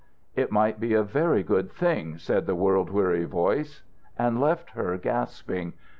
"It might be a very good thing," said the world weary voice, and left her gasping.